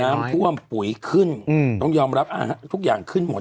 น้ำท่วมปุ๋ยขึ้นอืมต้องยอมรับทุกอย่างขึ้นหมด